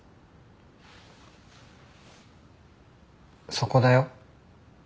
そこだよ。